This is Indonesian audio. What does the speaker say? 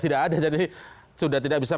tidak ada jadi sudah tidak bisa